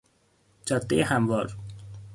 جادهی هموار